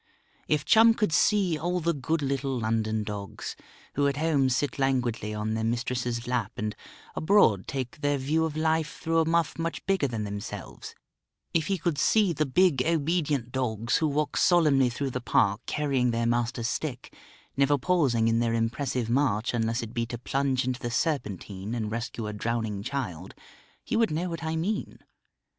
If Chum could see all the good little London dogs, who at home sit languidly on their mistress's lap, and abroad take their view of life through a muff much bigger than themselves; if he could see the big obedient dogs, who walk solemnly through the Park carrying their master's stick, never pausing in their impressive march unless it be to plunge into the Serpentine and rescue a drowning child, he would know what I mean.